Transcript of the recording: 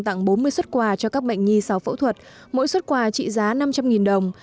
tặng bốn mươi xuất quà cho các bệnh nhi sau phẫu thuật mỗi xuất quà trị giá năm trăm linh đồng